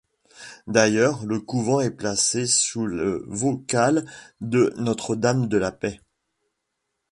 D'ailleurs, le couvent est placé sous le vocable de Notre-Dame-de-la-Paix.